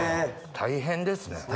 大変です。